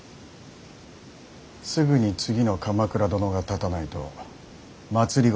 すぐに次の鎌倉殿が立たないと政が乱れる。